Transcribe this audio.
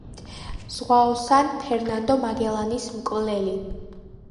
ზღვაოსან ფერნანდო მაგელანის მკვლელი.